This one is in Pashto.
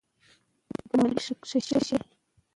د اسلامي فقهي په کتابو کښي د مفتوحانو تفصیلات ذکر سوي دي.